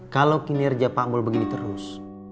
kalau kinerja pak mul begini terus